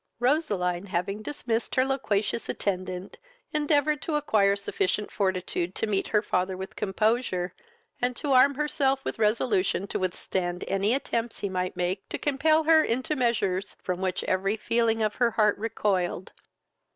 Roseline, having dismissed her loquacious attendant, endeavoured to acquire sufficient fortitude to meet her father with composure, and to arm herself with resolution to withstand any attempts he might make to compel her into measures from which every feeling of her heart recoiled.